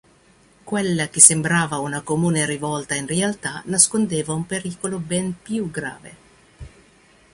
Quella che sembrava una comune rivolta in realtà nascondeva un pericolo ben più grave.